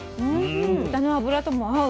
豚の脂とも合う。